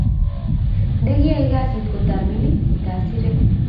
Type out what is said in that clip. ndekyayae kasit kotamining kitasire